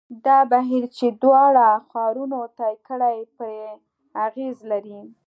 دا بهیر چې دواړو ښارونو طی کړې پرې اغېز لري.